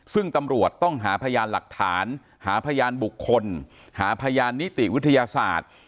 ซึ่งตำรวจต้องหาพยานหลักฐานหาพยานบุคคลหาพยานนิติวิทยาศาสตร์